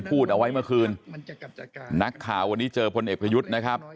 พูดเอาไว้เมื่อคืนนักข่าววันนี้เจอพลเอกประยุทธ์นะครับ